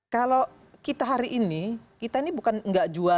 kalau kita hari ini kita mau berbicara kita mau berbicara kita mau berbicara kita mau berbicara